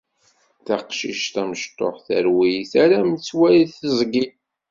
Taqcict tamecṭuḥt, terwel, terra metwal tiẓgi.